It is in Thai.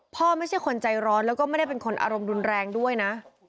ไม่ใช่คนใจร้อนแล้วก็ไม่ได้เป็นคนอารมณ์รุนแรงด้วยนะ